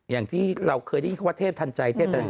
อย่างที่เราเคยได้ยินเขาว่าเทพทันใจเทพ